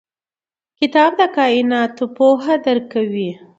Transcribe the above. کتاب د کایناتو پوهه درکوي.